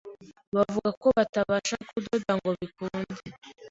bavuga ko batabasha kundoda ngo bikunde,